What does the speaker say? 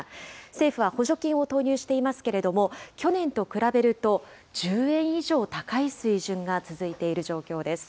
政府は補助金を投入していますけれども、去年と比べると１０円以上高い水準が続いている状況です。